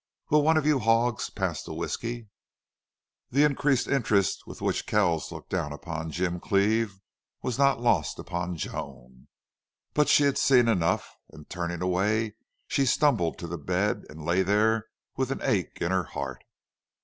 "Will one of you hawgs pass the whiskey?" The increased interest with which Kells looked down upon Jim Cleve was not lost upon Joan. But she had seen enough, and, turning away, she stumbled to the bed and lay there with an ache in her heart.